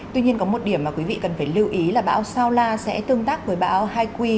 tuy nhiên có một điểm mà quý vị cần phải lưu ý là bão saula sẽ tương tác với bão haikwi